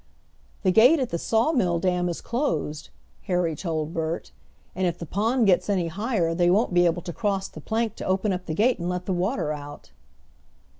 "The gate at the sawmill dam is closed," Harry told Bert, "and if the pond gets any higher they won't be able to cross the plank to open up the gate and let the water out."